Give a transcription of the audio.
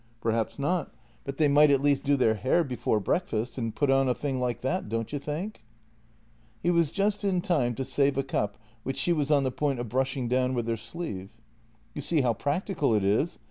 JENNY 99 " Perhaps not, but they might at least do their hair before breakfast and put on a thing like that, don't you think? " He was just in time to save a cup, which she was on the point of brushing down with her sleeve. "You see how practical it is.